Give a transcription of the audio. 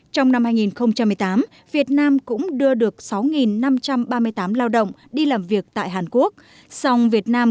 trong năm hai nghìn một mươi tám việt nam cũng đưa được sáu năm trăm ba mươi tám lao động đi làm việc tại hàn quốc sòng việt nam